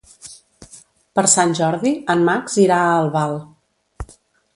Per Sant Jordi en Max irà a Albal.